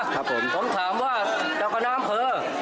ครับผมผมถามว่าจากคณามเผลอ